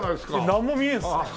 なんも見えんっすね。